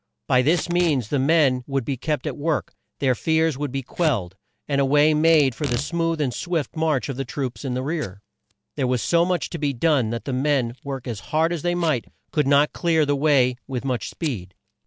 By this means the men would be kept at work, their fears would be quelled, and a way made for the smooth and swift march of the troops in the rear. There was so much to be done that the men, work as hard as they might, could not clear the way with much speed.